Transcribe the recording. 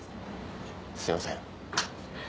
すいません。